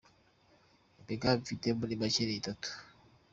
Imigambi mfite muri make ni itatu :.